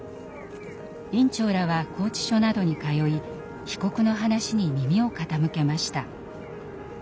院長らは拘置所などに通い被告の話に耳を傾けました。